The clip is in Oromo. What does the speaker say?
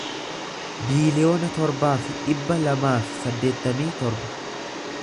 biiliyoona torbaa fi dhibba lamaa fi saddeettamii torba